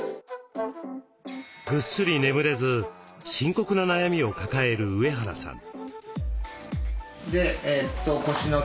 ぐっすり眠れず深刻な悩みを抱える上原さん。